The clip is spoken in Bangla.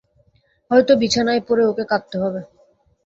হয়তো বিছানায় পড়ে ওকে কাঁদতে হবে।